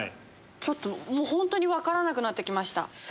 ちょっと本当に分からなくなって来ました。